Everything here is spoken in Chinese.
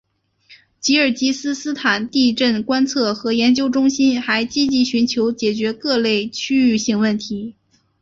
吉尔吉斯斯坦地震观测和研究中心还积极寻求解决各类区域性问题。